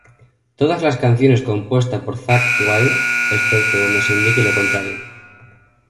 Todas las canciones compuestas por Zakk Wylde, excepto donde se indique lo contrario.